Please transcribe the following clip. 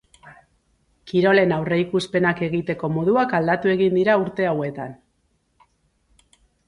Kirolen aurreikuspenak egiteko moduak aldatu egin dira urte hauetan.